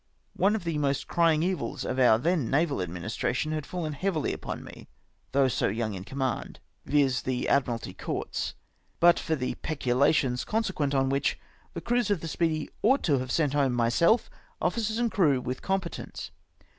One of the most crying evils of our then naval ad ministration had fallen heavily upon me, though so young in command — viz. the Admiralty Courts ; but for the peculations consequent on which, the cruise of the Speedy ought to have sent home myself, officers, and crew, with competence.